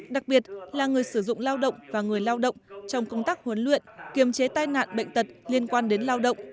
đặc biệt là người sử dụng lao động và người lao động trong công tác huấn luyện kiềm chế tai nạn bệnh tật liên quan đến lao động